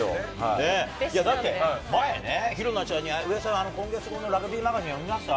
前、紘菜ちゃんに、上田さん、今月の『ラグビーマガジン』を見ました？